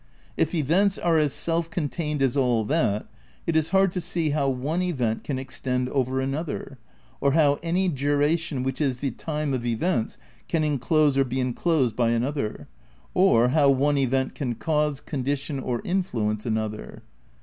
If events are as self contained as all that, it is hard to see how one event can extend over another, or how any duration which is the time of events can enclose or be enclosed by another, or how one event can cause, condition or influence an other.